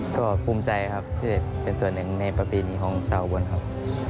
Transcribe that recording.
ก็ภูมิใจครับที่ได้เป็นส่วนหนึ่งในประปีนี้ของชาวอุบลครับ